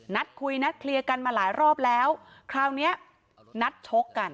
นัดคุยนัดเคลียร์กันมาหลายรอบแล้วคราวเนี้ยนัดชกกัน